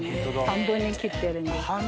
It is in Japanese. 半分に切ってるんです。